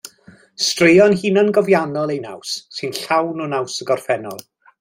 Straeon hunangofiannol eu naws sy'n llawn o naws y gorffennol.